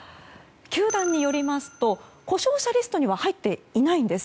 球団によりますと故障者リストには入っていないんです。